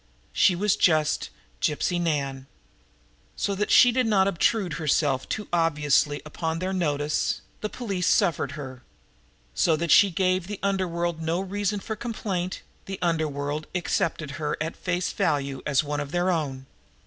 She was just Gypsy Nan. So that she did not obtrude herself too obviously upon their notice, the police suffered her; so that she gave the underworld no reason for complaint, the underworld accepted her at face value as one of its own!